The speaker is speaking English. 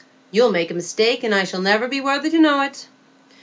You'll make a mistake, and I shall niver be worthy to know it.